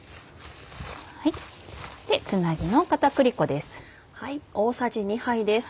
つなぎの片栗粉です。